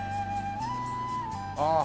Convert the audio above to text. ああ！